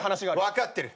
分かってる。